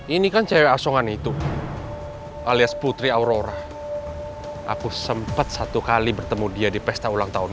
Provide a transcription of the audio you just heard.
ini kan cewek asongan itu alias putri aurora aku sempat satu kali bertemu dia di pesta ulang tahun